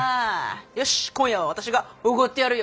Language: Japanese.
よし今夜は私がおごってやるよ！